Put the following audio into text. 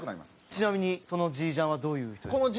ちなみにそのジージャンはどういう人ですか？